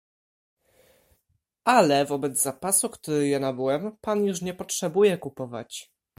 "Ale wobec zapasu, który ja nabyłem pan już nie potrzebuje kupować."